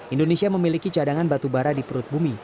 indonesia memiliki cadangan batubara di perut bumi